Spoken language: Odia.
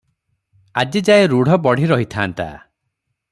ଆଜିଯାଏ ରୂଢ଼ ବଢ଼ି ରହିଥାନ୍ତା